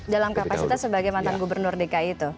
dalam kapasitas sebagai mantan gubernur dki itu